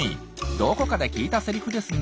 どこかで聞いたセリフですね。